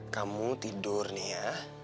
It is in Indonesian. kamu tidur nih ya